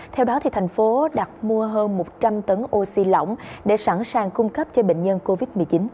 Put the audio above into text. theo đó thành phố đặt mua hơn một trăm linh tấn oxy lỏng để sẵn sàng cung cấp cho bệnh nhân covid một mươi chín